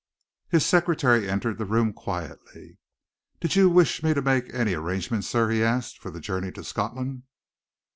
His secretary entered the room quietly. "Did you wish me to make any arrangements, sir," he asked, "for the journey to Scotland?"